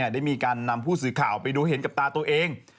ได้มีการนำผู้สื่อข่าวไปดูเห็นกับตาตัวเอง